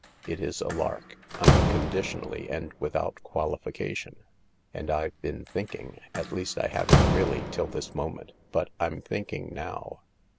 " It is a lark, unconditionally and without qualification. And I've been thinking^ at least I haven't really till this moment, but I'm thinking now.